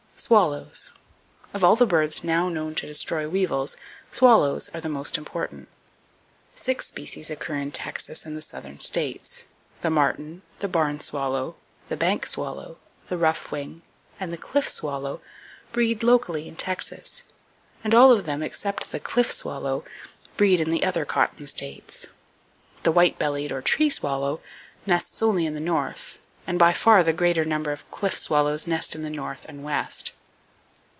Swallows. —Of all the birds now known to destroy weevils, swallows are the most important. Six species occur in Texas and the southern states. [Page 217] The martin, the barn swallow, the bank swallow, the roughwing, and the cliff swallow breed locally in Texas, and all of them, except the cliff swallow, breed in the other cotton states. The white bellied, or tree swallow, nests only in the North, and by far the greater number of cliff swallows nest in the North and West.